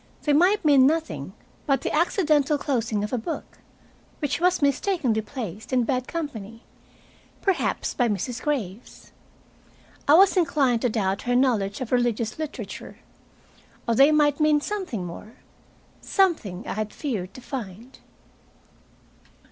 They might mean nothing but the accidental closing of a book, which was mistakenly placed in bad company, perhaps by Mrs. Graves. I was inclined to doubt her knowledge of religious literature. Or they might mean something more, something I had feared to find.